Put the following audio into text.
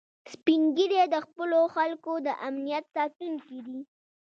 سپین ږیری د خپلو خلکو د امنیت ساتونکي دي